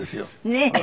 ねえ。